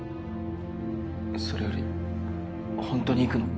それよりほんとに行くの？